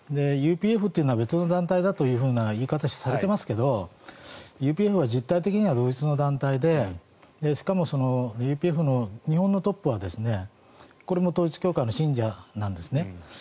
ＵＰＦというのは別の団体だという言い方をされていますがＵＰＦは実態的には同一の団体でしかも、ＵＰＦの日本のトップはこれも統一教会の信者なんです。